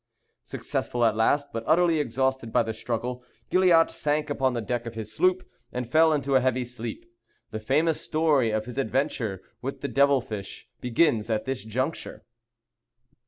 Successful at last, but utterly exhausted by the struggle, Gilliatt sank upon the deck of his sloop and fell into a heavy sleep. The famous story of his adventure with the devil fish begins at this juncture.